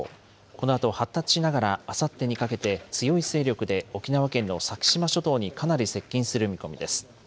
このあと発達しながらあさってにかけて、強い勢力で沖縄県の先島諸島にかなり接近する見込みです。